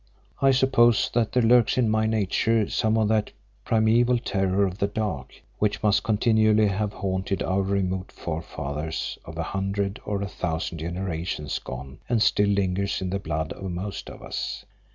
I suppose that there lurks in my nature some of that primeval terror of the dark, which must continually have haunted our remote forefathers of a hundred or a thousand generations gone and still lingers in the blood of most of us.